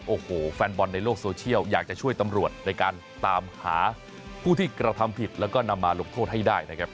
โอ้โหแฟนบอลในโลกโซเชียลอยากจะช่วยตำรวจในการตามหาผู้ที่กระทำผิดแล้วก็นำมาลงโทษให้ได้นะครับ